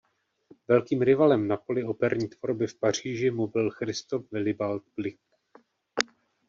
Velkým rivalem na poli operní tvorby v Paříži mu byl Christoph Willibald Gluck.